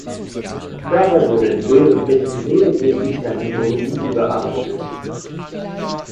Dabei wurde im Wesentlichen lediglich die Terminologie überarbeitet.